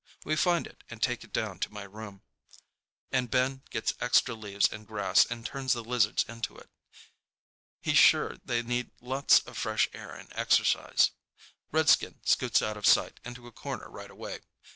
We find it and take it down to my room, and Ben gets extra leaves and grass and turns the lizards into it. He's sure they need lots of fresh air and exercise. Redskin scoots out of sight into a corner right away.